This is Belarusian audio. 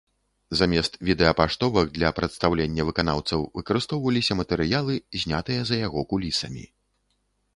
Замест відэапаштовак для прадстаўлення выканаўцаў выкарыстоўваліся матэрыялы, знятыя за яго кулісамі.